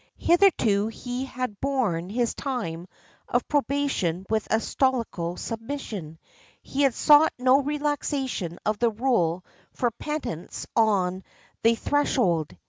Hitherto he had borne his time of probation with a stoical submission. He had sought no relaxation of the rule for penitents on the threshold.